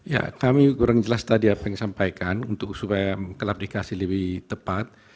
ya kami kurang jelas tadi apa yang disampaikan supaya klarifikasi lebih tepat